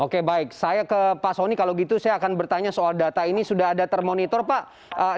oke baik saya ke pak soni kalau gitu saya akan bertanya soal data ini sudah ada termonitor pak